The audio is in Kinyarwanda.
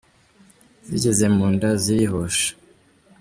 Zigeze mu nda zirohoshya.